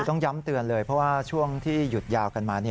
ต้องย้ำเตือนเลยเพราะว่าช่วงที่หยุดยาวกันมา